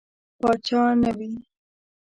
پاچا نه وي.